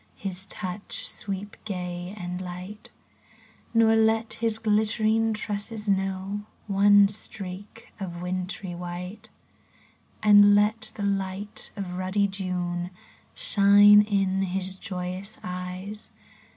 His touch sweep gay and light; Nor let his glittering tresses know One streak of wintry white. And let the light of ruddy June Shine in his joyous eyes.